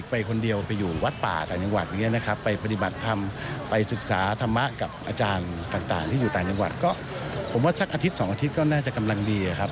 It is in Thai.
ผมว่าสักอาทิตย์สองอาทิตย์ก็น่าจะกำลังดีครับ